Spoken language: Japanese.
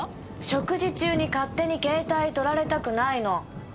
食事中に勝手に携帯撮られたくないの。